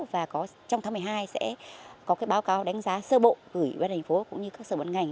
và trong tháng một mươi hai sẽ có báo cáo đánh giá sơ bộ gửi ubnd phố cũng như các sở bản ngành